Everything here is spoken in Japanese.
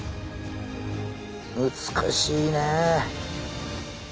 美しいねえ。